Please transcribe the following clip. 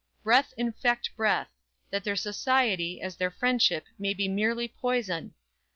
Breath infect breath; That their society, as their friendship, may Be merely poison!